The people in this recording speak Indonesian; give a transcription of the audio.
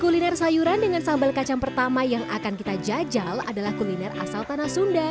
kuliner sayuran dengan sambal kacang pertama yang akan kita jajal adalah kuliner asal tanah sunda